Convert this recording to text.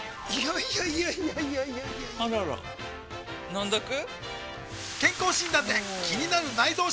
いやいやいやいやあらら飲んどく？